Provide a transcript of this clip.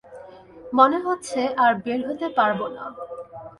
মনে হচ্ছে আর বের হতে পারব না।